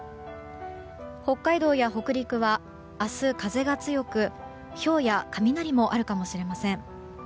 北海道や北陸は明日、風が強くひょうや雷もあるかもしれません。